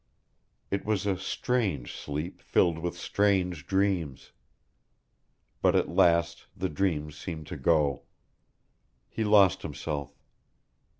It was a strange sleep filled with strange dreams. But at last the dreams seemed to go. He lost himself.